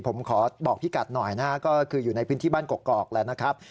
ผมขอบอกพี่กัดหน่อยนะฮะก็คืออยู่ในพื้นที่บ้านกอกแล้วนะครับ